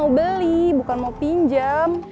mau beli bukan mau pinjam